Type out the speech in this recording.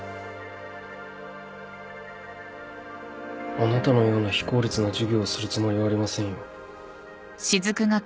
あなたのような非効率な授業をするつもりはありませんよ。